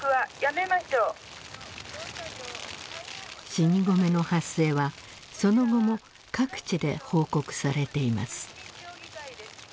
死に米の発生はその後も各地で報告されています。